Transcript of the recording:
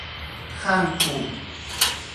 ข้างปุ่ม